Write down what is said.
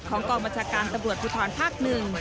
ของกองบัชการตำรวจพุทธรภาคหนึ่ง